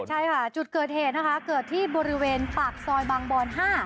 ใช่ค่ะจุดเกิดเหตุนะคะเกิดที่บริเวณปากซอยบางบอน๕